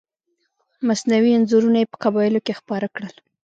مصنوعي انځورونه یې په قبایلو کې خپاره کړل.